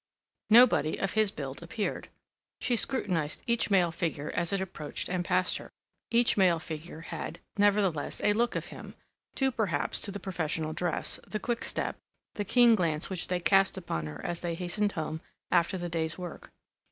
Nobody of his build appeared. She scrutinized each male figure as it approached and passed her. Each male figure had, nevertheless, a look of him, due, perhaps, to the professional dress, the quick step, the keen glance which they cast upon her as they hastened home after the day's work.